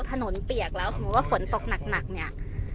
สมมุติว่าฝนตกหนักเนี่ย